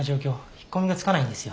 引っ込みがつかないんですよ。